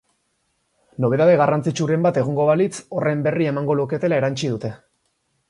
Nobedade garrantzitsuren bat egongo balitz, horren berri emango luketela erantsi dute.